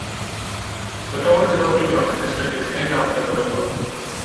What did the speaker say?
The Torridge local government district is named after the river.